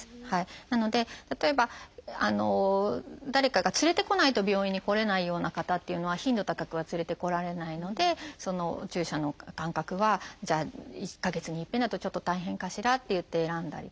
なので例えば誰かが連れてこないと病院に来れないような方っていうのは頻度高くは連れてこられないのでお注射の間隔はじゃあ１か月に一遍だとちょっと大変かしらっていって選んだりとか。